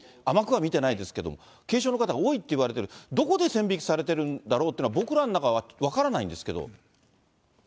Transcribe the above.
甘くは見てないですけど、軽症の方が多いっていわれてる、どこで線引きされてるんだろうというのは、僕らなんかは分からないんですけど。